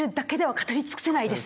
語り尽くせない。